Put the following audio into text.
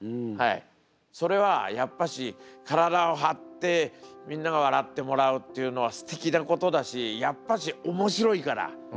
それはやっぱし体をはってみんな笑ってもらうっていうのはすてきなことだしやっぱしおもしろいから。